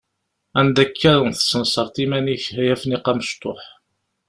Anda akka tesnesreḍ iman-ik a Afniq amecṭuḥ?